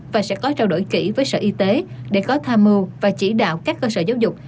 và sẽ có trao đổi kỹ với sở y tế để có tham mưu và chỉ đạo các cơ sở giáo dục